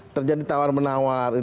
terjadi tawar menawar